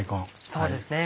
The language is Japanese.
そうですね